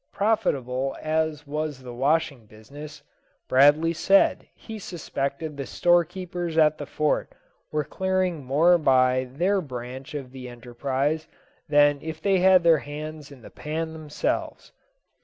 Profitable as was the washing business, Bradley said he suspected the storekeepers at the Fort were clearing more by their branch of the enterprise than if they had their hands in the pan themselves.